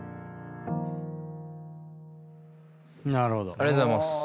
ありがとうございます。